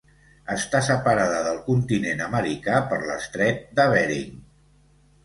Està separada del continent americà per l'estret de Bering.